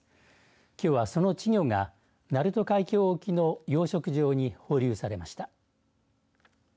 きょうは、その稚魚が鳴門海峡沖の養殖場に放流されました。